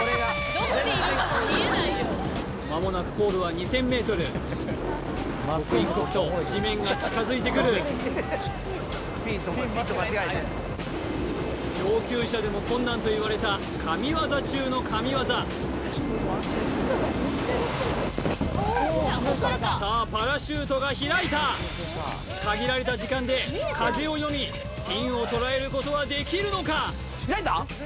間もなく高度は２０００ｍ刻一刻と地面が近づいてくる上級者でも困難といわれた神業中の神業さあパラシュートが開いた限られた時間で風を読みピンを捉えることはできるのか？